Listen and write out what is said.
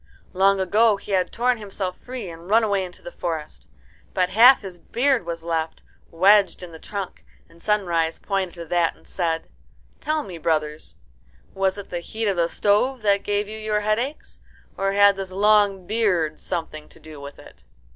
Long ago he had torn himself free and run away into the forest. But half his beard was left, wedged in the trunk, and Sunrise pointed to that and said, "Tell me, brothers, was it the heat of the stove that gave you your headaches? Or had this long beard something to do with it?"